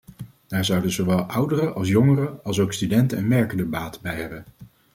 Daar zouden zowel ouderen als jongeren, alsook studenten en werkenden baat bij hebben.